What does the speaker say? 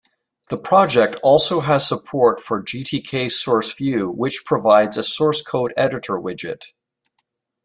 The project also has support for GtkSourceView, which provides a source code editor widget.